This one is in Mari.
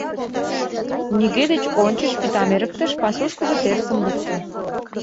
Нигӧ деч ончыч вӱтам эрыктыш, пасушкыжо терысым лукто.